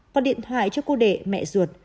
có điện thoại cho cô đệ mẹ ruột